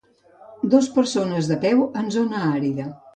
Dos persones de peu en una zona àrida.